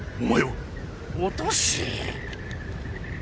おとし！